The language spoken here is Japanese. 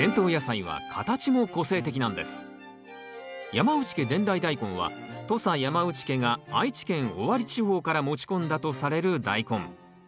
山内家伝来大根は土佐山内家が愛知県尾張地方から持ち込んだとされるダイコン。